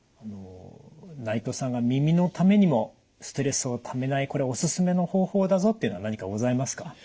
内藤さんが耳のためにもストレスをためないこれおすすめの方法だぞっていうのは何かございますか。